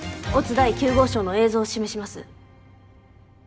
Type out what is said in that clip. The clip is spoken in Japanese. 第９号証の映像を示します。